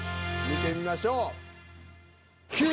見てみましょう。